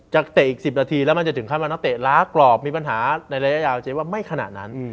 เตะอีก๑๐นาทีแล้วมันจะถึงขั้นว่านักเตะล้ากรอบมีปัญหาในระยะยาวเจ๊ว่าไม่ขนาดนั้น